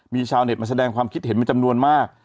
มีชาวเน็ตมาแสดงความคิดเห็นเป็นจำนวนมาก